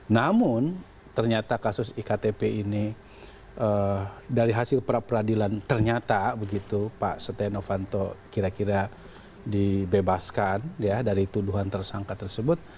namun ternyata kasus iktp ini dari hasil peradilan ternyata begitu pak setenovanto kira kira dibebaskan dari tuduhan tersangka tersebut